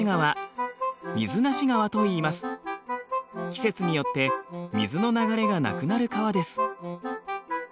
季節によって水の流れがなくなる川です。